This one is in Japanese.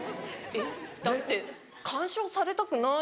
・えっだって干渉されたくない。